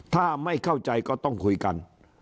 ถ้าไม่เข้าใจก็ต้องคุยกัน